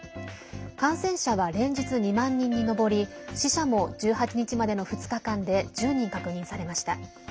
感染者は連日２万人にのぼり死者も１８日までの２日間で１０人、確認されました。